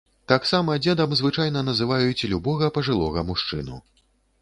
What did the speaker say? Таксама дзедам звычайна называюць любога пажылога мужчыну.